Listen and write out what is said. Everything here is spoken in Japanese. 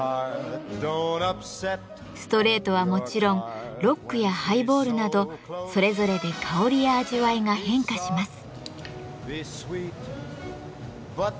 ストレートはもちろんロックやハイボールなどそれぞれで香りや味わいが変化します。